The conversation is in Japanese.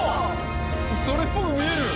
それっぽく見える！